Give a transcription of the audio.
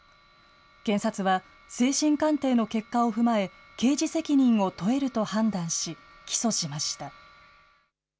検察は精神鑑定の結果を踏まえ刑事責任を問えると判断し起訴しました。